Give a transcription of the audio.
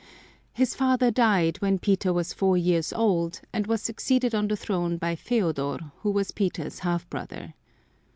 His father died when Peter was four years old and was succeeded on the throne by Feodor, who was Peter's half brother.